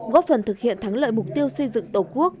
góp phần thực hiện thắng lợi mục tiêu xây dựng tổ quốc